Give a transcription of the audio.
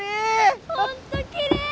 本当きれい！